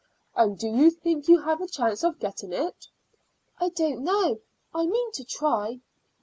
"And do you think you have a chance of getting it?" "I don't know. I mean to try."